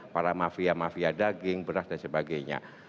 para mafia mafia daging beras dan sebagainya